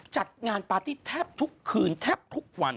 จัดงานปาร์ตี้แทบทุกคืนแทบทุกวัน